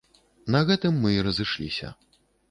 На гэтым мы і разышліся.